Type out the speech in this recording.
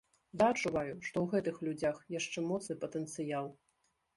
Я адчуваю, што ў гэтых людзях яшчэ моцны патэнцыял!